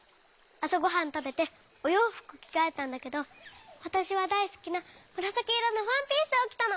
あさごはんたべておようふくきがえたんだけどわたしはだいすきなむらさきいろのワンピースをきたの。